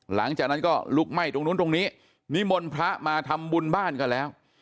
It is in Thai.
หลังจากนั้นก็ลุกไหม้ตรงนู้นตรงนี้นิมนต์พระมาทำบุญบ้านก็แล้ว